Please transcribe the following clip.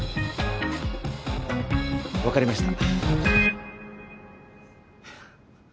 分かりました。